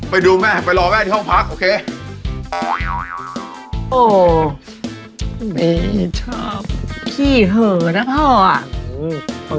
ไปดูแม่ไปรอแม่ที่ห้องคุณ